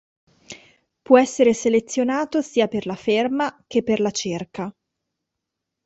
Può essere selezionato sia per la ferma che per la cerca.